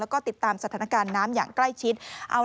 แล้วก็ติดตามสถานการณ์น้ำอย่างใกล้ชิด